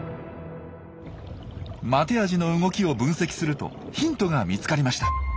マテアジの動きを分析するとヒントが見つかりました。